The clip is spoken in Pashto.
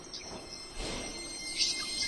آس هڅه کوله چې په خپلو پښو ودرېږي.